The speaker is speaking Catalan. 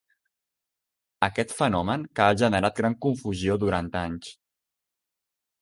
Aquest fenomen que ha generat gran confusió durant anys.